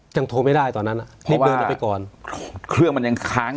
โทรไม่ได้ตอนนั้นอ่ะรีบเดินออกไปก่อนเครื่องมันยังค้างอยู่